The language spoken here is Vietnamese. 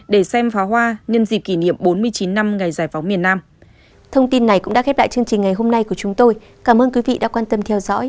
để xem phá hoa nhân dịp kỷ niệm bốn mươi chín năm ngày giải phóng miền nam